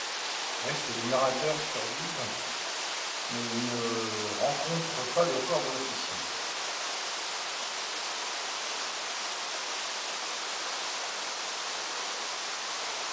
West et le narrateur survivent mais ne retrouvent pas le corps de l’officier.